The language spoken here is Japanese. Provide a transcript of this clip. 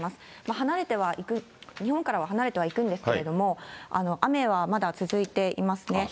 離れてはいく、日本からは離れてはいくんですけれども、雨はまだ続いていますね。